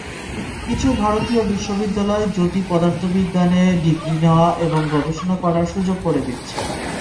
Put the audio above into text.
কিছু ভারতীয় বিশ্ববিদ্যালয় জ্যোতিঃপদার্থবিজ্ঞানে ডিগ্রি নেওয়া এবং গবেষণা করার সুযোগ করে দিচ্ছে।